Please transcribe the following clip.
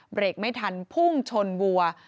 เบรกไม่ทันพุ่งชนวัว